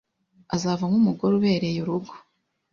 azavamo umugore ubereye urugo.